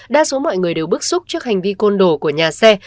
đa số mọi người đều bức xúc trước hành vi côn đổ của nhà xe